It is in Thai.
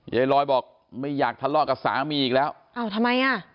ยายลอยบอกไม่อยากทะเลาะกับสามีอีกแล้วอ้าวทำไมอ่ะ